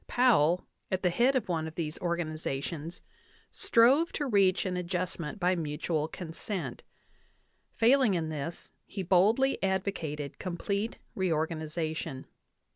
Powell, at the head of one of these organizations, strove to reach* an adjust ment by mutual consent; failing in this, he boldly advocate! complete reorganization.